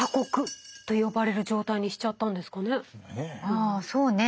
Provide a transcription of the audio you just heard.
ああそうね。